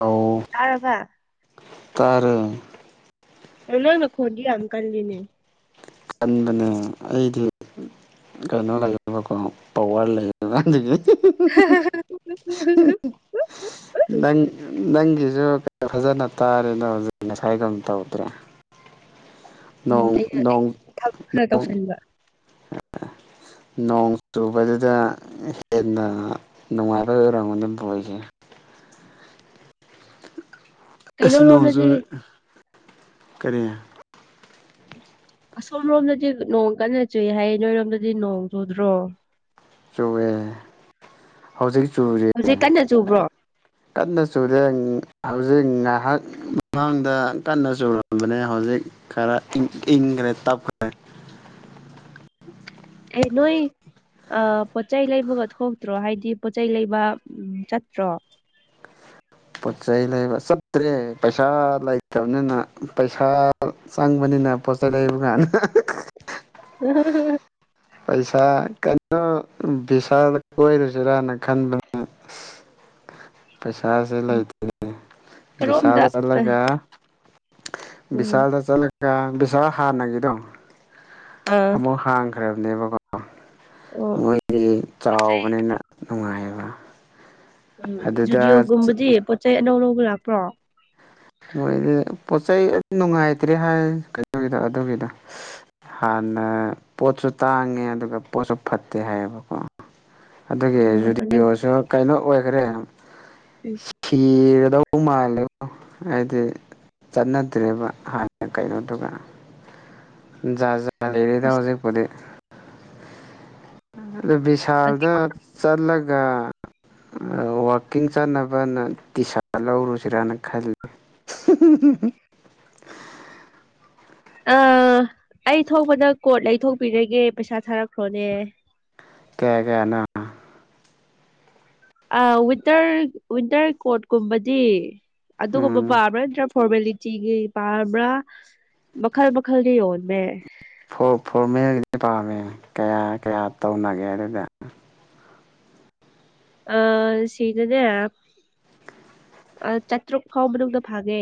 ꯑꯧ ꯇꯥꯔꯕꯥ ꯇꯥꯔꯦ ꯑ ꯅꯪ ꯅꯈꯣꯟꯗꯤ ꯌꯥꯝ ꯀꯜꯂꯤꯅꯦ ꯀꯟꯕꯅꯦ ꯑꯩꯗꯤ ꯀꯩꯅꯣ ꯂꯩꯌꯦꯕꯀꯣ ꯄꯋꯥꯔ ꯂꯩꯕ ꯑꯗꯨꯒꯤ [unintelligible] ꯅꯪ ꯅꯪꯒꯤꯖꯨ [unintelligible] ꯐꯖꯅ ꯇꯥꯔꯦꯗ ꯍꯧꯖꯤꯛ ꯉꯁꯥꯏꯗꯧꯅ ꯇꯧꯗ꯭ꯔꯦ ꯎꯝ ꯅꯣꯡ ꯑꯩꯔ ꯑꯩ ꯅꯣꯡ ꯊꯕꯛ ꯈꯔ ꯇꯧꯁꯟꯕ ꯅꯣꯡ ꯆꯨꯕꯗꯨꯗ ꯍꯦꯟꯅ ꯅꯨꯡꯉꯥꯏꯕꯩ ꯑꯣꯏꯔꯝꯒꯅꯤ ꯕꯣꯜꯖꯦ ꯑꯁ ꯅꯣꯡ ꯀꯩꯅꯣꯔꯣꯝꯗꯗꯤ ꯆꯨꯔꯦ ꯀꯔꯤ ꯑꯁꯣꯝ ꯔꯣꯝꯗꯗꯤ ꯅꯣꯡ ꯀꯟꯅ ꯆꯨꯏ ꯍꯥꯏꯌꯦ ꯅꯣꯏꯔꯣꯝꯗꯗꯤ ꯅꯣꯡ ꯆꯨꯗ꯭ꯔꯣ ꯆꯨꯌꯦ ꯍꯧꯖꯤꯛ ꯆꯨꯔꯤ ꯍꯧꯖꯤꯛ ꯀꯟꯅ ꯆꯨꯕ꯭ꯔꯣ ꯀꯟꯅ ꯆꯨꯗꯦ ꯍꯧꯖꯤꯛ ꯉꯥꯍꯥꯛ ꯃꯃꯥꯡꯗ ꯀꯟꯅ ꯆꯨꯔꯝꯕꯅꯦ ꯍꯧꯖꯤꯛ ꯈꯔ ꯏꯪ ꯏꯪꯈ꯭ꯔꯦ ꯇꯞꯈ꯭ꯔꯦ ꯑꯦ ꯅꯣꯏ ꯑ ꯄꯣꯠꯆꯩ ꯂꯩꯕꯒ ꯊꯣꯛꯇ꯭ꯔꯣ ꯍꯥꯏꯗꯤ ꯄꯣꯠꯆꯩ ꯂꯩꯕ ꯎꯝ ꯆꯠꯇ꯭ꯔꯣ ꯄꯣꯠ ꯆꯩ ꯂꯩꯕ ꯆꯠꯇ꯭ꯔꯦ ꯄꯩꯁꯥ ꯂꯩꯇꯕꯅꯤꯅ ꯄꯩꯁꯥ ꯆꯪꯕꯅꯤꯅ ꯄꯣꯠ ꯆꯩ ꯂꯩꯕ ꯀꯥꯟꯗ [unintelligible] ꯄꯩꯁꯥ ꯀꯩꯅꯣ ꯚꯤꯁꯥꯜꯗ ꯀꯣꯏꯔꯨꯁꯤꯔꯥꯅ ꯈꯟꯕꯅꯦ [inaudible] ꯄꯩꯁꯥꯁꯦ ꯎꯝ ꯂꯩꯇ꯭ꯔꯦ ꯀꯔꯣꯝꯗ ꯚꯤꯁꯥꯜꯗ ꯑ ꯆꯠꯂꯒ ꯎꯝ ꯕꯤꯁꯥꯜꯗ ꯆꯠꯂꯒ ꯕꯤꯚꯤꯁꯥꯜ ꯍꯥꯟꯅꯒꯤꯗꯣ ꯑꯥ ꯑꯃꯨꯛ ꯍꯥꯡꯈ꯭ꯔꯕꯅꯦꯕꯀꯣ ꯑꯣ ꯃꯣꯏꯗꯤ ꯆꯥꯎꯕꯅꯤꯅ ꯅꯨꯡꯉꯥꯏꯌꯦꯕ ꯎꯝ ꯑꯗꯨꯗ ꯖꯨꯗꯤꯑꯣꯒꯨꯝꯕꯗꯤ ꯄꯣꯠꯆ ꯆꯩ ꯑꯅꯧ ꯑꯅꯧꯕ ꯂꯥꯛꯄ꯭ꯔꯣ ꯃꯣꯏꯗꯤ ꯄꯣꯠ ꯆꯩ ꯑꯗꯨ ꯅꯨꯡꯉꯥꯏꯇ꯭ꯔꯦ ꯍꯥꯏ ꯀꯩꯅꯣꯒꯤꯗꯣ ꯑꯗꯨꯒꯤꯗꯣ ꯍꯥꯟꯅ ꯄꯣꯠꯁꯨ ꯇꯥꯡꯉꯦ ꯑꯗꯨꯒ ꯄꯣꯠꯁꯨ ꯐꯠꯇꯦ ꯍꯥꯏꯌꯦꯕꯀꯣ ꯑ ꯑꯗꯨꯒꯤ ꯍꯟꯗꯛ ꯔꯨꯗꯤꯑꯣꯁꯨ ꯀꯩꯅꯣ ꯑꯣꯏꯈꯔꯦ ꯎꯝ ꯁꯤꯔꯗ ꯄꯨ ꯃꯥꯜꯂꯦꯕꯣ ꯑꯩꯗꯤ ꯆꯠꯅꯗ꯭ꯔꯦꯕ ꯍꯥꯟꯅ ꯀꯩꯅꯣꯗꯨꯒ ꯖꯥꯥꯠ ꯖꯥꯠ ꯂꯩꯔꯦꯗ ꯑꯁ ꯍꯧꯖꯤꯛꯄꯨꯗꯤ ꯑꯗꯨꯗꯕꯤꯚꯤꯁꯥꯜꯗ ꯆꯠꯂꯒ ꯋꯥꯛꯀꯤꯡ ꯆꯠꯅꯕꯅ ꯇꯤ ꯁꯥꯔꯠ ꯂꯧꯔꯨꯁꯤꯔꯅ ꯈꯜꯂꯤ ꯍꯨꯝ ꯍꯨꯝ ꯑ ꯑꯩ ꯊꯣꯛꯄꯗ ꯀꯣꯠ ꯂꯩꯊꯣꯛꯄꯤꯔꯒꯦ ꯄꯩꯁꯥ ꯊꯥꯔꯛꯈ꯭ꯔꯣꯅꯦ ꯀꯌꯥ ꯀꯌꯥ ꯅꯣ ꯑ ꯋꯤꯟꯇꯔ ꯋꯤꯟꯇꯔ ꯀꯣꯠꯀꯨꯝꯕꯗꯤ ꯑꯗꯨꯒꯨꯝꯕ ꯎꯝ ꯄꯥꯝꯕ꯭ꯔꯥ ꯅꯠꯇ꯭ꯔ ꯐꯣꯔꯃꯦꯂꯤꯇꯤꯒꯤ ꯄꯥꯔꯕ꯭ꯔꯥ ꯃꯈꯜ ꯃꯈꯜꯒꯤ ꯌꯣꯟꯃꯦ ꯐꯣꯔꯃꯦꯜꯒꯤ ꯄꯥꯝꯃꯦ ꯀꯌꯥ ꯀꯌꯥ ꯇꯧꯅꯒꯦ ꯑꯗꯨꯗ ꯑ ꯁꯤꯗꯅꯦ ꯆꯥꯇ꯭ꯔꯨꯛ ꯐꯥꯎ ꯃꯅꯨꯡꯗ ꯐꯪꯉꯦ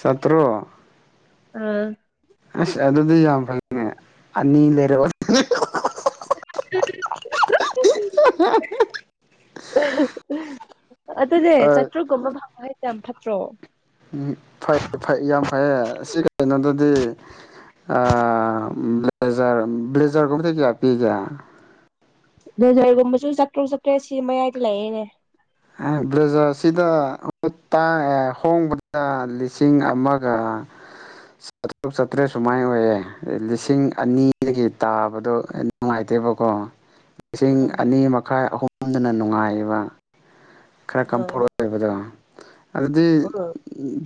ꯆꯥꯇ꯭ꯔꯨꯛ ꯎꯝ ꯑꯁ ꯑꯗꯨꯗꯤ ꯌꯥꯝ ꯐꯩꯅꯦ ꯑꯅꯤ ꯂꯩꯔꯛꯑꯣ [unintelligible] ꯑꯗꯨꯗꯤ ꯆꯥꯇ꯭ꯔꯨꯛꯀꯨꯝꯕ ꯐꯪꯕ ꯍꯥꯏꯁꯦ ꯌꯥꯝ ꯐꯠꯇ꯭ꯔꯣ ꯎꯝ ꯐꯩ ꯐꯩ ꯌꯥꯝ ꯐꯩꯌꯦ ꯁꯤ ꯀꯩꯅꯣꯗꯨꯗꯤ ꯑꯥ ꯕ꯭ꯂꯦꯖꯔ ꯕ꯭ꯂꯦꯖꯔꯒꯨꯝꯕꯗꯤ ꯀꯌꯥ ꯄꯤꯒꯦ ꯕꯂꯦꯖꯔꯒꯨꯝꯕꯁꯨ ꯆꯥꯇ꯭ꯔꯨꯛ ꯆꯥꯇꯔꯦꯠ ꯁꯤ ꯃꯌꯥꯏꯗ ꯂꯩꯌꯦꯅꯦ ꯕꯂꯦꯖꯔꯁꯤꯗ ꯍꯣꯡꯕꯗ ꯂꯤꯁꯤꯡ ꯑꯃꯒ ꯆꯥꯇ꯭ꯔꯨꯛ ꯆꯥꯇ꯭ꯔꯦꯠ ꯁꯨꯃꯥꯏꯅ ꯑꯣꯏꯌꯦ ꯂꯤꯁꯤꯡ ꯑꯅꯤꯗꯒꯤ ꯇꯥꯕꯗꯣ ꯅꯨꯡꯉꯥꯏꯇꯦꯕꯀꯣ [inaudible] ꯂꯤꯁꯤꯡ ꯑꯅꯤ ꯃꯈꯥꯏ ꯑꯍꯨꯝꯗꯅ ꯅꯨꯡꯉꯥꯏꯕ ꯈꯔ ꯑꯥ ꯀꯝꯐꯣꯔꯠ ꯑꯣꯏꯕꯗ ꯑꯗꯨꯗꯤ ꯎꯝ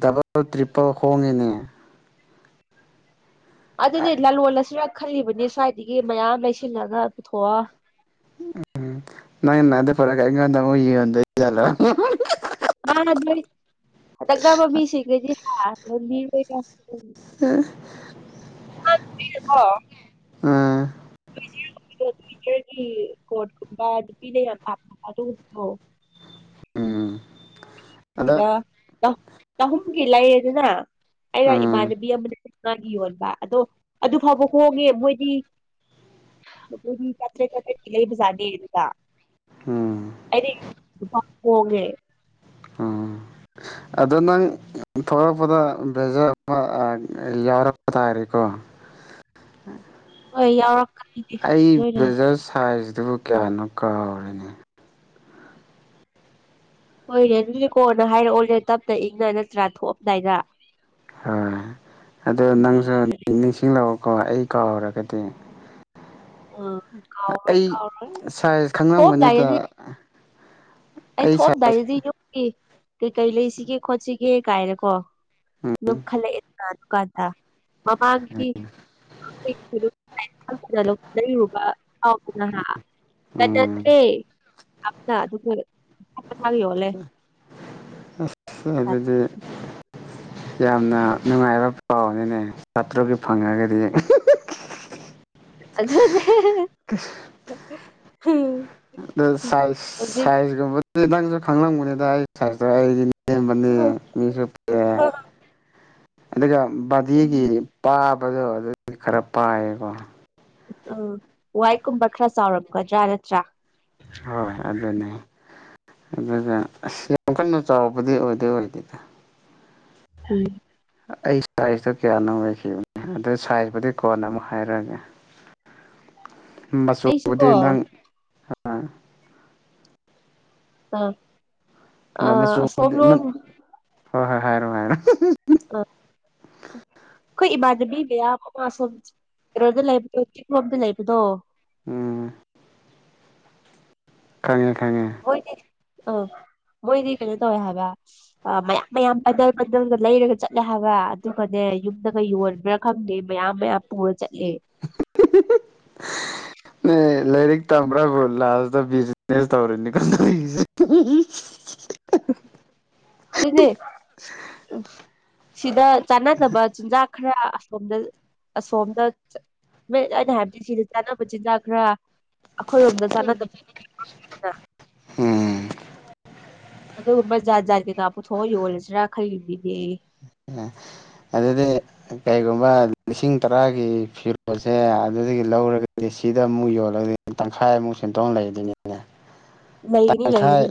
ꯗꯕꯜ ꯇ꯭ꯔꯤꯄꯜ ꯍꯣꯡꯉꯦꯅꯦ ꯑꯗꯨꯅꯤ ꯂꯂꯣꯟꯂꯁꯤꯔ ꯈꯜꯂꯤꯕꯅꯤ ꯁ꯭ꯋꯥꯏꯗꯒꯤ ꯃꯌꯥꯝ ꯂꯩꯁꯤꯜꯂꯒ ꯄꯨꯊꯣꯛꯑꯣ ꯎꯝ ꯅꯪꯅ ꯑꯗ ꯄꯨꯔꯛꯒ ꯑꯩꯉꯣꯟꯗ ꯑꯃꯨꯛ ꯌꯣꯟꯗꯨꯏꯖꯥꯠꯂꯣ ꯍ ꯇꯗꯥ ꯃ ꯃꯤ ꯁꯤ ꯀꯦꯁꯤ ꯍꯥ [unintelligible] ꯑꯥ ꯑꯣ ꯑꯥ ꯭ꯋꯗꯣꯋꯤꯖꯔꯒꯤ ꯀꯣꯠꯀꯨꯝꯕ ꯑꯗꯨꯄꯤꯅ ꯌꯥꯝ ꯊꯥꯞ ꯑꯗꯨ ꯎꯕꯤꯔꯣꯑꯣ ꯎꯝ ꯑꯗꯣ ꯁꯤꯗ ꯆꯍꯨꯝꯒꯤ ꯂꯩꯌꯦꯗꯅ ꯑꯩꯅ ꯎꯝ ꯏꯃꯥꯟꯅꯕꯤ ꯑꯃꯅ ꯃꯥ ꯌꯣꯟꯕ ꯑꯗꯣ ꯑꯗꯨ ꯐꯥꯎꯕ ꯍꯣꯡꯉꯦ ꯃꯣꯏꯗꯤ ꯆꯥꯇ꯭ꯔꯦꯠ ꯆꯥꯇ꯭ꯔꯦꯠ ꯀꯤ ꯂꯩꯕꯖꯠꯅꯦ ꯏꯗꯨꯗ ꯎꯝ ꯑꯩꯗꯤ ꯂꯄꯥ ꯀꯣꯡꯉꯦ ꯎꯝ ꯑꯗꯣ ꯅꯪ ꯊꯣꯂꯛꯄꯗ ꯕꯔꯖꯔ ꯑꯃ ꯌꯥꯎꯔꯛꯄ ꯇꯥꯔꯦꯀꯣ [inaudible] ꯍꯣꯏ ꯌꯥꯎꯔꯛꯀꯅꯤꯅꯦ ꯑꯩ ꯅꯣꯏꯅ ꯕꯦꯖꯔ ꯁꯥꯢꯇꯨꯕꯨ ꯀꯌꯥꯅꯣ ꯀꯥꯥꯎꯔꯦꯅꯦ ꯍꯣꯢ ꯌꯥꯢꯗꯨꯗꯤꯀꯣꯅ ꯍꯥꯢꯔꯛꯑꯣꯔꯦ ꯇꯞꯇꯅ ꯏꯪꯅ ꯅꯠꯇ꯭ꯔꯥ ꯊꯣꯛꯑꯝꯗꯥꯢꯗ ꯍꯣꯢ ꯑꯗꯨ ꯅꯪꯁꯨ ꯅꯤꯡꯁꯤꯡꯂꯛꯑꯣꯀꯣ ꯑꯩ ꯀꯥꯎꯔꯒꯗꯤ ꯎꯝ ꯀꯥꯎꯔꯣꯏ ꯑꯩ ꯀꯥꯎꯔꯣꯏ ꯁꯥꯢꯖ ꯈꯪꯂꯝꯒꯅꯤꯗ ꯊꯣꯛꯑꯝꯗꯥꯏꯗꯗꯤ ꯑꯩ ꯊꯣꯛꯑꯝꯗꯥꯢꯗꯗꯤ ꯌꯨꯝꯒꯤ ꯀꯩꯀꯩ ꯂꯩꯁꯤꯒꯦ ꯈꯣꯠꯁꯤꯒꯦ ꯀꯥꯢꯅ ꯀꯣ ꯎꯝ ꯑꯗꯨꯝ ꯈꯜꯂꯛꯑꯦꯀꯥꯟ ꯑꯗꯨꯗꯨꯀꯥꯟꯗ ꯃꯃꯥꯡꯒꯤ [unintelligible] ꯂꯩꯔꯕ ꯑꯧ ꯎ ꯅꯍꯥ ꯑꯖ ꯗ꯭ꯔꯦ ꯎꯝ ꯑꯞꯅ ꯑꯗꯨ ꯄꯣꯔꯦ ꯑꯞ ꯑꯊꯥꯕꯤ ꯌꯣꯜꯂꯦ ꯁꯦ ꯑꯗꯨꯗꯤ ꯌꯥꯝꯅ ꯅꯨꯡꯉꯥꯢꯕ ꯄꯥꯎꯅꯤꯅꯦ ꯑꯥꯠꯇ꯭ꯔꯕꯦꯛ ꯐꯪꯉꯑꯒꯗꯤ ꯑꯗꯨꯅꯦ [unintelligible] ꯍꯨꯝ ꯅꯪ ꯁꯥꯢ ꯁꯥꯢꯖꯀꯨꯝꯕꯗꯤ ꯅꯪꯁꯨ ꯈꯪꯂꯝꯑꯅꯤꯗ ꯑꯩ ꯁꯥꯢꯖꯇꯣ ꯑꯩꯒꯤ ꯃꯤ ꯅꯦꯝꯕꯅꯤꯅ ꯃꯤꯁꯨꯨ ꯄꯖꯔꯦ ꯑꯗꯨꯒ ꯕꯥꯗꯤꯒꯤ ꯄꯥꯕꯗꯣ ꯑꯗꯨꯗꯤ ꯈꯔ ꯄꯥꯢꯌꯦꯀꯣ ꯎꯝ ꯋꯥꯢꯀꯨꯝꯕ ꯈꯔ ꯆꯥꯎꯔꯛꯒꯗ꯭ꯔꯥ ꯅꯠꯇ꯭ꯔꯥ ꯍꯣꯢ ꯑꯗꯨꯅꯦ ꯑꯗꯨꯗ ꯑꯁ ꯌꯥꯝ ꯀꯟꯅ ꯆꯥꯎꯕꯗꯤ ꯑꯣꯢꯗꯦ ꯑꯣꯢꯗꯦꯗ ꯆꯨꯢ ꯑꯩ ꯁꯥꯢꯖꯇꯣ ꯀꯌꯥꯅꯣ ꯑꯣꯢꯈꯤꯕꯅꯤ ꯑꯗꯨ ꯁꯥꯢꯖꯄꯨꯗꯤ ꯀꯣꯟꯅ ꯑꯃꯨꯛ ꯍꯥꯢꯔꯛꯑꯒꯦ ꯃꯆꯨꯕꯨꯗꯤ ꯑꯩꯁꯨꯀꯣ ꯅꯪ ꯑ ꯑ ꯑꯥ ꯁꯣꯞꯂꯣꯛ ꯍꯣꯢ ꯍꯣꯢ ꯍꯥꯢꯔꯣ ꯍꯥꯢꯔꯣ [unintelligible] ꯑ ꯈꯣꯢ ꯏꯃꯥꯟꯅꯕꯤ ꯃꯌꯥꯝ ꯑꯃ ꯁꯣꯝ ꯀꯩꯅꯣꯗ ꯂꯩꯕꯗꯣ ꯆꯤꯂꯣꯝꯗ ꯂꯩꯕꯗꯣ ꯎꯝ ꯈꯪꯉꯦ ꯈꯪꯉꯦ ꯍꯣꯢꯅꯦ ꯑ ꯃꯣꯢꯗꯤ ꯀꯩꯅꯣ ꯇꯧꯋꯦ ꯍꯥꯢꯕ ꯑ ꯃꯌꯥꯝ ꯃꯌꯥꯝ ꯄꯟꯗꯜ ꯄꯟꯗꯜꯒ ꯂꯩꯔꯒ ꯆꯠꯂꯦ ꯍꯥꯢꯕ ꯑꯗꯨꯒꯅꯦ ꯌꯨꯝꯗꯒ ꯌꯣꯟꯕ꯭ꯔꯥ ꯈꯪꯗꯦ ꯃꯌꯥꯝ ꯃꯌꯥꯝ ꯄꯨꯔ ꯆꯠꯂꯦ ꯅꯦ ꯂꯥꯢꯔꯤꯛ ꯇꯝꯕ꯭ꯔꯥꯕꯨ ꯂꯥꯁꯇ ꯕꯤꯖꯤꯅꯦꯁ ꯇꯧꯔꯅꯤ ꯀꯟꯁꯦ [unintelligible] ꯑꯗꯨꯅꯦ ꯎꯝ ꯁꯤꯗ ꯆꯥꯟꯅꯗꯕ ꯆꯤꯟꯖꯥꯛ ꯈꯔ ꯑꯁꯣꯝꯗ ꯑꯁꯣꯝꯗ ꯑꯩꯅ ꯍꯥꯢꯕꯗꯤ ꯁꯤꯗ ꯆꯥꯅꯕ ꯆꯤꯟꯖꯥꯛ ꯈ꯭ꯔ [unintelligible] ꯎꯝ ꯑꯗꯨꯒꯨꯝꯕ ꯖꯥꯠ ꯖꯥꯠ ꯀꯩꯀꯥ ꯄꯨꯊꯣꯛꯑ ꯌꯣꯜꯂꯤꯁꯤꯔꯥ ꯈꯩꯜꯂꯤꯅꯤꯅꯦ ꯑꯗꯨꯗꯤ ꯀꯩꯒꯨꯝꯕ ꯂꯤꯁꯤꯡ ꯇꯔꯥꯒꯤ ꯐꯤꯔꯣꯜꯁꯦ ꯑꯗꯨꯗꯒꯤ ꯂꯧꯔꯒꯗꯤ ꯁꯤꯗ ꯑꯃꯨꯛ ꯌꯣꯜꯂꯗꯤ ꯇꯪꯈꯥꯢꯃꯨꯛ ꯁꯦꯟꯇꯣꯡ ꯂꯩꯗꯨꯢꯅꯦ [inaudible] ꯇꯪꯈꯥꯏ ꯂꯩꯒꯅꯤ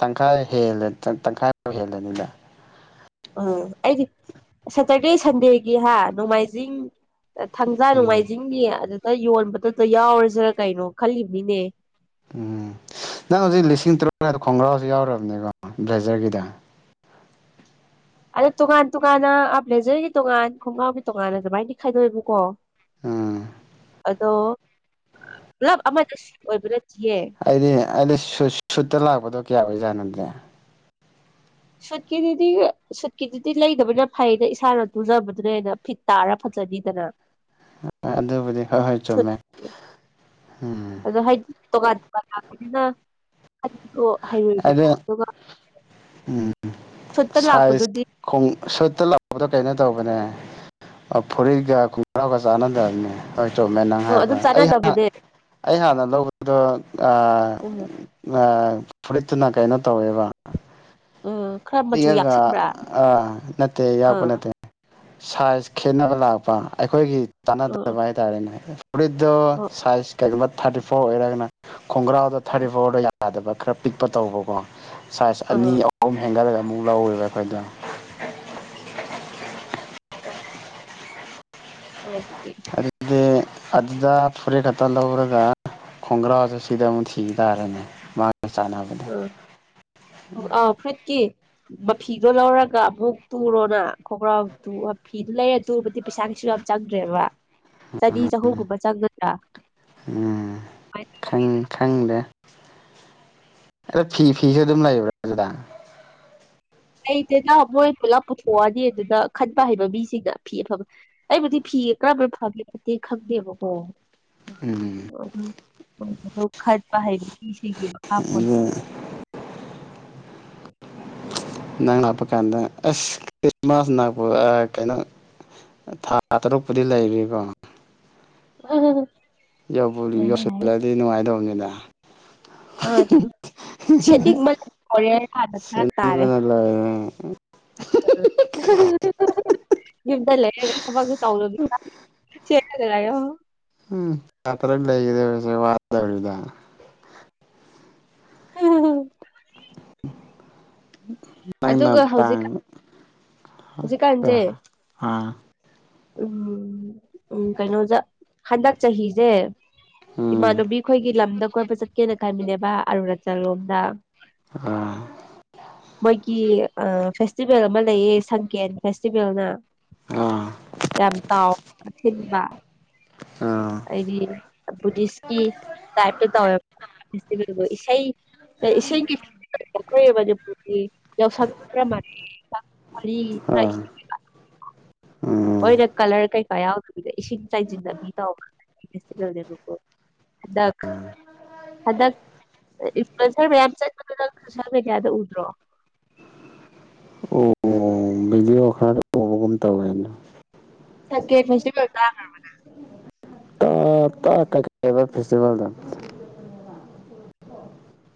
ꯇꯪꯈꯥꯏ ꯍꯦꯜꯂꯦ ꯇꯪꯈꯥꯏ ꯐꯥꯎ ꯍꯦꯜꯂꯅꯤꯗ ꯎꯝ ꯑꯩꯗꯤ ꯁꯇꯔꯗꯦ ꯁꯟꯗꯦꯒꯤ ꯍꯥ ꯅꯣꯡꯃꯥꯏꯖꯤꯡ ꯊꯥꯡꯖꯥ ꯎꯝ ꯅꯣꯡꯉꯥꯏꯖꯤꯡꯒꯤ ꯑꯗꯨꯗ ꯌꯣꯟꯕꯗꯨꯗ ꯌꯥꯎꯔꯁꯤꯔꯥ ꯀꯩꯅꯣ ꯈꯜꯂꯤꯕꯅꯤꯅꯦ ꯎꯝ ꯅꯪ ꯍꯧꯖꯤꯛ ꯂꯤꯁꯤꯡ ꯇꯔꯨꯛ ꯍꯥꯢꯗꯣ ꯈꯣꯡꯒ꯭ꯔꯥꯎꯁꯨ ꯌꯥꯎꯔꯕꯅꯤꯀꯣ ꯕ꯭ꯂꯦꯖꯔꯒꯤꯗꯣ ꯑꯗꯣ ꯇꯣꯉꯥꯟ ꯇꯣꯉꯥꯟꯅ ꯕ꯭ꯂꯦꯖꯔꯒꯤ ꯇꯣꯉꯥꯟ ꯈꯣꯡꯒ꯭ꯔꯥꯎꯒꯤ ꯇꯣꯉꯥꯟꯅ ꯑꯗꯨꯃꯥꯏꯅꯗꯤ ꯈꯥꯏꯗꯣꯛꯑꯦꯕꯀꯣ ꯑꯥ ꯑꯗꯣ ꯄꯨꯂꯞ ꯑꯃꯔꯖꯦꯟꯁꯤ ꯑꯣꯏꯕ ꯅꯠꯇꯤꯌꯦ ꯑꯩꯗꯤ ꯑꯩꯗꯤ ꯁꯨꯠꯇ ꯂꯥꯛꯄꯗꯣ ꯀꯌꯥ ꯑꯣꯏꯖꯥꯠꯅꯣꯗꯦ ꯑꯗꯨꯗꯤ ꯁꯨꯠꯀꯤꯗꯨꯗꯤ ꯁꯨꯠꯀꯤꯗꯨꯗꯤ ꯂꯩꯗꯕꯅ ꯐꯩꯅ ꯏꯁꯥꯅ ꯇꯨꯖꯕꯗꯨꯅ ꯍꯦꯟꯅ ꯐꯤꯠ ꯇꯥꯔ ꯐꯖꯅꯤꯗꯅ ꯑ ꯑꯗꯨꯕꯨꯗꯤ ꯍꯣꯏ ꯍꯣꯏ ꯁꯨꯠ ꯆꯨꯝꯃꯦ ꯎꯝ ꯑꯗꯣ ꯍꯥꯏꯗꯤ ꯇꯣꯉꯥꯟ ꯇꯣꯉꯥꯟ ꯂꯥꯛꯄꯅꯤꯅ ꯑꯣ ꯍꯩꯔꯣꯏꯕꯀꯣ ꯑꯗ ꯑꯗꯨꯒ ꯎꯝ ꯁꯨꯠꯇ ꯁꯥꯏꯖ ꯂꯥꯛꯄꯗꯨꯗꯤ ꯈꯣꯡ ꯁꯨꯠꯇ ꯂꯥꯛꯄꯗꯣ ꯀꯩꯅꯣ ꯇꯧꯕꯅꯦ ꯑ ꯐꯨꯔꯤꯠꯒ ꯈꯣꯡꯒ꯭ꯔꯥꯎꯒ ꯆꯥꯟꯅꯗꯕꯅꯦ ꯍꯣꯏ ꯆꯣꯞꯃꯦ ꯅꯪ ꯑ ꯍꯥꯏꯕꯗꯣ ꯑꯗꯨꯝ ꯑꯩ ꯍꯥꯟ ꯆꯥꯟꯅꯗꯕꯅꯦ ꯑꯩ ꯍꯥꯟꯅ ꯂꯧꯕꯗꯣ ꯑ ꯎꯝ ꯑꯥ ꯐꯨꯔꯤꯠꯇꯨꯅ ꯀꯩꯅꯣ ꯇꯧꯋꯦꯕ ꯎꯝ ꯈꯔ ꯃꯆꯨ ꯄꯤꯛꯑꯒ ꯌꯥꯛꯁꯤꯟꯕ꯭ꯔꯥ ꯑꯥ ꯅꯠꯇꯦ ꯌꯥꯛꯄ ꯑꯥ ꯅꯠꯇꯦ ꯁꯥꯏꯖ ꯈꯦꯠꯅꯕ ꯂꯥꯛꯄ ꯑꯩꯈꯣꯏꯒꯤ ꯑꯥ ꯆꯥꯟꯅꯗꯕ ꯍꯥꯏꯇꯥꯥꯔꯦꯅꯦ ꯐꯨꯔꯤꯠꯇꯣ ꯑꯥ ꯁꯥꯏꯖ ꯀꯩꯒꯨꯝꯕ ꯊꯥꯔꯇꯤ ꯐꯣꯔ ꯑꯣꯏꯔꯒꯅ ꯈꯣꯡꯒ꯭ꯔꯥꯎꯗ ꯊꯥꯔꯇꯤ ꯐꯣꯔꯗ ꯌꯥꯗꯕ ꯈꯔ ꯄꯤꯛꯄ ꯇꯧꯕꯀꯣ ꯁꯥꯏꯖ ꯑꯥ ꯑꯅꯤ ꯑꯍꯨꯝ ꯍꯦꯟꯒꯠꯂꯒ ꯑꯃꯨꯛ ꯂꯧꯋꯦꯕ ꯑꯩꯈꯣꯏꯗꯣ [unintelligible] [unintelligible] [inaudible] ꯍꯦ ꯑꯗꯨꯗ ꯐꯨꯔꯤꯠ ꯈꯛꯇ ꯂꯧꯔꯒ ꯈꯣꯡꯒ꯭ꯔꯥꯎꯁꯨ ꯁꯤꯗ ꯑꯃꯨꯛ ꯊꯤꯈꯤ ꯇꯥꯔꯦꯅꯦ ꯃꯥ ꯒ ꯆꯥꯟꯅꯕꯅꯤ ꯑꯪ ꯑꯥꯎ ꯐꯨꯔꯤꯠ ꯀꯤ ꯃꯐꯤꯗꯣ ꯂꯧꯔꯒ ꯑꯃꯨꯛ ꯇꯨꯔꯣꯅ ꯈꯣꯡꯒ꯭ꯔꯥꯎꯇꯨ ꯐꯤꯗꯨ ꯂꯩꯔ ꯇꯨꯕꯗꯤ ꯄꯩꯁꯥ ꯀꯩꯁꯨ ꯌꯥꯝ ꯆꯪꯗ꯭ꯔꯦꯕ ꯆꯅꯤ ꯆꯍꯨꯝꯒꯨꯝꯕ ꯆꯪꯒꯗ꯭ꯔ ꯎꯝ ꯈꯪ ꯈꯪꯗꯦ ꯑꯗꯣ ꯐꯤ ꯐꯤꯁꯨ ꯑꯗꯨꯝ ꯂꯩꯕ꯭ꯔ ꯑꯗꯨꯗꯥ ꯂꯩꯇꯦꯗ ꯃꯣꯏ ꯄꯨꯂꯞ ꯄꯨꯊꯣꯛꯑꯅꯤ ꯑꯗꯨꯗ ꯈꯟꯕ ꯍꯩꯕ ꯃꯤꯁꯤꯡꯅ ꯐꯤ ꯑꯐꯕ ꯑꯩꯕꯨꯗꯤ ꯐꯤ ꯀꯔꯝꯕꯅ ꯐꯒꯦꯕꯨꯗꯤ ꯈꯪꯗꯦꯕꯀꯣ ꯎꯝ ꯑꯗꯨ ꯑꯗꯣ ꯈꯟꯕ ꯍꯩꯕ ꯃꯤꯁꯤꯡꯒꯤ ꯃꯈꯥ ꯄꯣꯜꯂꯦ ꯍꯑꯗꯨ ꯅꯪ ꯂꯥꯛꯄ ꯀꯥꯟꯗ ꯑꯁ ꯈ꯭ꯔꯤꯁꯃꯥꯁ [unintelligible] ꯑ ꯀꯩꯅꯣ ꯊꯥ ꯇꯔꯨꯛꯄꯨꯗꯤ ꯂꯩꯔꯤꯕ [unintelligible] ꯌꯧꯕꯨ ꯌꯧꯁꯤꯜꯂꯗꯤ ꯅꯨꯡꯉꯥꯏꯗꯧꯅꯤꯅꯦ [inaudible] ꯑ ꯁꯦꯠꯅꯤꯡ [unintelligible] ꯈꯔ ꯇꯥꯔꯦ ꯁꯦꯝꯕꯅ ꯂꯣꯏꯔꯦ [unintelligible] ꯌꯨꯝꯗ ꯂꯩꯔꯒ ꯊꯕꯛꯁꯨ ꯇꯧꯗꯕꯤꯗ ꯁꯦꯠꯂꯒ ꯂꯩꯌꯣ ꯎꯝ ꯊꯥ ꯇꯔꯨꯛ ꯂꯩꯒꯗꯕꯁꯦ ꯋꯥꯗꯧꯔꯤꯗ [unintelligible] ꯅꯪꯅ ꯑꯗꯨꯒ ꯍꯧꯖꯤꯛ ꯇꯥꯡ ꯍꯧꯖꯤꯛꯀꯥꯟꯁꯦ ꯑꯥ ꯎꯝ ꯎꯝ ꯀꯩꯅꯣꯗ ꯍꯟꯗꯛ ꯆꯍꯤꯁꯦ ꯎꯝ ꯏꯃꯥꯟꯅꯕꯤꯈꯣꯏꯒꯤ ꯂꯝꯗ ꯀꯣꯏꯕ ꯆꯠꯀꯦꯅ ꯈꯟꯕꯅꯦꯕ ꯑꯔꯨꯅꯥꯆꯜ ꯂꯣꯝꯗ ꯑꯥ ꯃꯣꯏꯒꯤ ꯐꯦꯁꯇꯤꯚꯦꯜ ꯑꯃ ꯂꯩꯌꯦ ꯁꯟꯀꯦꯟ ꯐꯦꯁꯇꯤꯚꯦꯜꯅ ꯑꯥ ꯌꯥꯝ ꯆꯥꯎꯅ ꯑꯊꯤꯟꯕ ꯑꯥ ꯍꯥꯏꯗꯤ ꯕꯨꯙꯤꯁꯀꯤ ꯇꯥꯏꯞꯇ ꯇꯧꯋꯦꯕ ꯐꯦꯁꯇꯤꯚꯦꯜꯗꯣ ꯏꯁꯩ ꯏꯁꯤꯡꯒꯤ ꯐꯦꯁꯇꯤꯕꯦꯜ ꯑꯈꯣꯏ ꯃꯅꯤꯄꯨꯔꯒꯤ ꯌꯥꯎꯁꯪꯒ ꯈꯔ ꯃꯥꯥꯟꯅꯩꯌꯦ ꯑꯥ [unintelligible] ꯎꯝ ꯃꯣꯏꯅ ꯀꯂꯔ ꯀꯩꯀꯥ ꯌꯥꯎꯗꯕꯤꯗ ꯏꯁꯤꯡ ꯆꯥꯏꯖꯤꯟꯅꯕꯤ ꯇꯧꯕ ꯐꯦꯁꯇꯤꯚꯦꯜ ꯅꯦꯕꯀꯣ ꯍꯟꯗꯛ ꯍꯟꯗꯛ ꯏꯅꯐꯨꯌꯦꯟꯁꯔ ꯃꯌꯥꯝ ꯆꯠꯄꯗꯨ ꯅꯪ ꯁꯣꯁꯦꯜ ꯃꯦꯗꯤꯌꯥꯗ ꯎꯗ꯭ꯔꯣ [unintelligible] ꯎꯕꯒꯨꯝ ꯇꯧꯋꯦꯅ [unintelligible] [unintelligible] ꯀꯂꯔ ꯐꯦꯁꯇꯤꯚꯦꯜꯗꯣ [inaudible]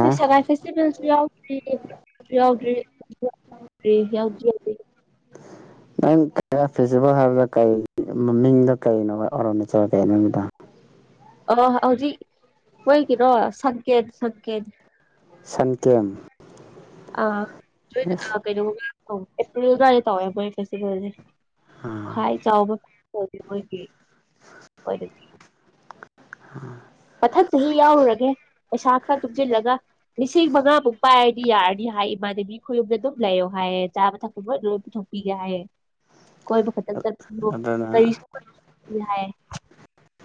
ꯅꯣꯏ ꯁꯉꯥꯏ ꯐꯦꯁꯇꯤꯚꯦꯜꯁꯨ ꯌꯥꯎꯗ꯭ꯔꯤ ꯌꯥꯎꯗ꯭ꯔꯤ ꯌꯥꯎꯗ꯭ꯔꯤ ꯉꯔꯥꯡ ꯐꯦꯁꯇꯤꯚꯦꯜ ꯍꯥꯏꯕꯗ ꯀꯩ ꯃꯃꯤꯡꯗꯣ ꯀꯩꯅꯣ ꯑꯣꯔꯣꯅꯆꯔ ꯀꯩꯅꯣ ꯍꯥꯏꯕꯗꯣ ꯑ ꯍꯧꯖꯤꯛ ꯃꯣꯏꯒꯤꯅꯣ ꯁꯪꯀꯦꯠ ꯁꯪꯀꯦꯠ ꯁꯟꯀꯦꯝ ꯑ ꯑꯁ ꯀꯩꯅꯣ ꯑꯦꯄ꯭ꯔꯤꯜ ꯑꯗꯨꯋꯥꯏꯗ ꯇꯧꯋꯦ ꯃꯣꯏ ꯐꯦꯁꯇꯤꯚꯦꯜꯁꯦ ꯑꯥ ꯈ꯭ꯋꯥꯏ ꯆꯥꯎꯕ ꯃꯣꯏꯒꯤ [inaudible] ꯃꯊꯛ ꯆꯍꯤ ꯌꯥꯎꯔꯨꯔꯒꯦ ꯄꯩꯁꯥ ꯈꯔ ꯇꯨꯡꯁꯤꯜꯂꯒ ꯂꯤꯁꯤꯡ ꯃꯉꯥꯃꯨꯛ ꯄꯥꯏꯔꯗꯤ ꯌꯥꯔꯅꯤ ꯍꯥꯏ ꯏꯃꯥꯟꯅꯕꯤ ꯈꯣꯏꯌꯨꯝꯗ ꯑꯗꯨꯝ ꯂꯩꯌꯣ ꯍꯥꯏꯌꯦ ꯆꯥꯕ ꯊꯛꯄ ꯃꯣꯏ ꯂꯣꯏ ꯄꯨꯊꯣꯛꯄꯤꯒꯦ ꯍꯥꯏꯑꯦ ꯀꯣꯏꯕ ꯈꯛꯇ ꯆꯠꯗꯣ ꯑꯗꯨꯅ ꯀꯔꯤꯁꯨ ꯍꯥꯏ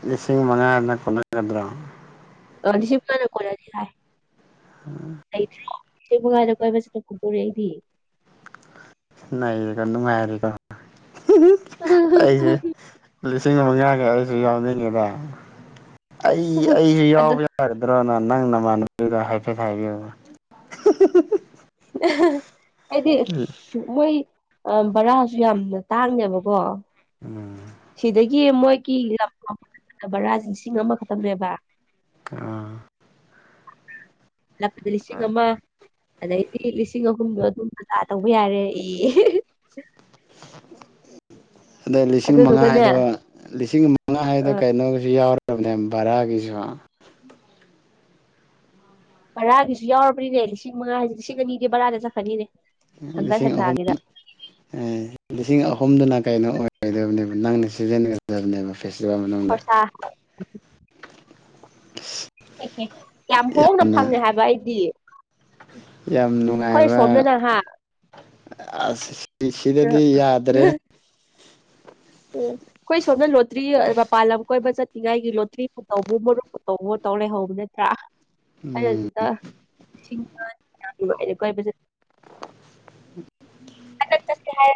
ꯂꯤꯁꯤꯡ ꯃꯪꯉꯥꯅ ꯀꯣꯟꯅꯒꯗꯔꯣ ꯑꯥ ꯂꯤꯁꯤꯡ ꯃꯉꯥꯅ ꯀꯣꯟꯅꯅꯤ ꯍꯥꯏ ꯎꯝ ꯅꯩꯗꯔꯣ ꯂꯤꯁꯤꯡ ꯃꯪꯉꯥꯅ ꯀꯣꯏꯕ ꯆꯠꯄꯥ ꯐꯪꯗꯣꯔꯦ ꯑꯩꯗꯤ ꯅꯩꯔꯦꯀꯣ ꯅꯨꯡꯉꯥꯏꯔꯤꯀꯣ ꯑꯩꯁꯦ ꯂꯤꯁꯤꯡ ꯃꯪꯉꯥ ꯈꯛ ꯑꯩꯁꯨ ꯌꯥꯎꯅꯤꯡꯉꯦꯗ ꯑꯩ ꯑꯩꯁꯨ ꯑꯗꯣ ꯌꯥꯎꯕ ꯌꯥꯒꯗꯔ꯭ꯅ ꯅꯪ ꯅꯃꯥꯟꯅꯕꯤꯗ ꯍꯥꯏꯐꯦꯠ ꯍꯥꯏꯕꯤꯌꯨ [unintelligible] ꯑꯩꯗꯤ ꯃꯣꯏ ꯕꯔꯥꯁꯨ ꯌꯥꯝꯅ ꯇꯥꯡꯗꯦꯕꯀꯣ ꯎꯝ ꯁꯤꯗꯒꯤ ꯃꯣꯏꯒꯤ ꯂꯝ ꯑꯃ [unintelligible] ꯕꯔꯥ ꯂꯤꯁꯤꯡ ꯑꯃꯈꯛꯇꯪꯅꯦꯕ ꯑꯥ ꯂꯥꯛꯄꯗ ꯂꯤꯁꯤꯡ ꯑꯃ ꯑꯗꯩꯗꯤ ꯂꯤꯁꯤꯡ ꯑꯍꯨꯝꯗꯣ ꯑꯗꯨꯝ ꯃꯥꯖꯥ ꯇꯧꯕ ꯌꯥꯔꯦ ꯏ ꯑꯗꯣ ꯂꯤꯁꯤꯡ ꯃꯉꯥ ꯑꯗꯨꯗꯨꯒꯅꯦ ꯍꯥꯏꯗꯣ ꯂꯤꯁꯤꯡ ꯃꯉꯥ ꯍꯥꯢꯗꯣ ꯀꯩꯅꯣꯒꯤꯁꯨ ꯌꯥꯎꯔꯕꯅꯦ ꯕꯔꯥꯒꯤꯁꯨ ꯕꯔꯥꯒꯤꯁꯨ ꯌꯥꯎꯔꯕꯅꯤꯅꯦ ꯂꯤꯁꯤꯡ ꯃꯉꯥ ꯍꯥꯏꯁꯦ ꯂꯤꯁꯤꯡ ꯑꯅꯤꯗꯤ ꯕꯔꯥꯗ ꯆꯠꯈ꯭ꯔꯅꯤꯅꯦ ꯍꯪꯒꯠ ꯂꯤꯁꯤꯡ ꯑꯍꯨꯝ ꯍꯟꯗꯥꯒꯤꯗ ꯑꯦ ꯂꯤꯁꯤꯡ ꯑꯍꯨꯝꯗꯨꯅ ꯀꯩꯅꯣ ꯑꯣꯏꯒꯗꯕꯅꯦꯕ ꯅꯪꯅ ꯁꯤꯖꯤꯟꯅꯒꯗꯕꯅꯦꯕ ꯐꯦꯁꯇꯤꯚꯦꯜ ꯃꯅꯨꯡꯗ ꯈꯣꯔꯁꯥ ꯢꯁ [unintelligible] ꯌꯥꯝ ꯍꯣꯡꯅ ꯐꯪꯉꯦ ꯍꯥꯏꯕ ꯑꯩꯗꯤ ꯌꯥꯝ ꯑꯩꯈꯣꯏ ꯅꯨꯡꯉꯥꯏꯕ ꯁꯣꯝꯗꯅꯍꯥ ꯑꯁ ꯎꯝ ꯁꯤꯗꯗꯤ ꯌꯥꯗ꯭ꯔꯦ ꯎꯝ ꯑꯩꯈꯣꯏ ꯁꯣꯝꯅ ꯂꯣꯇ꯭ꯔꯤ ꯃꯄꯥꯟ ꯂꯝ ꯀꯣꯏꯕ ꯆꯠꯅꯤꯡꯉꯥꯏꯒꯤ ꯂꯣꯇ꯭ꯔꯤꯄꯨ ꯇꯧꯕꯥꯑꯣ ꯃꯔꯨꯞꯄꯨ ꯇꯧꯕꯥꯑꯣ ꯇꯧ ꯂꯩꯍꯧꯕꯅꯦ ꯅꯠꯇ꯭ꯔꯥ ꯑꯩꯅ ꯎꯝ ꯁꯤꯗ [unintelligible] [unintelligible] [unintelligible] ꯑꯩꯅ ꯆꯠꯁꯦ [unintelligible]